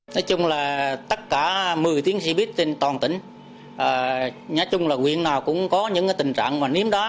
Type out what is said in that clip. nói chung là tất cả một mươi tiếng xe buýt trên toàn tỉnh nguyện nào cũng có những tình trạng ném đá